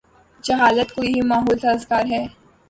جہالت کو یہی ماحول سازگار ہے۔